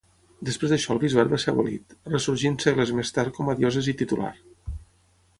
Després d'això el bisbat va ser abolit, ressorgint segles més tard com a Diòcesi titular.